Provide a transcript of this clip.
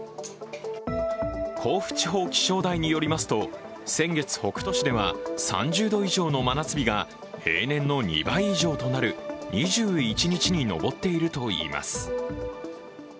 甲府地方気象台によりますと先月、北杜市では３０度以上の真夏日が平年の２倍以上となる２１日に上っているといいます。